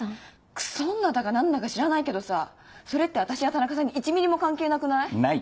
クソ女だか何だか知らないけどさそれって私や田中さんに１ミリも関係なくない？ない。